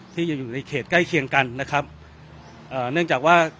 ที่จะอยู่ในเขตใกล้เคียงกันนะครับเอ่อเนื่องจากว่า